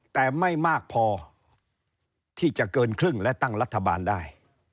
แต่ไม่มากพอที่จะเกินครึ่งและตั้งรัฐบาลได้